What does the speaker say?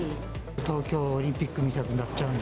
東京オリンピックみたくなっちゃうん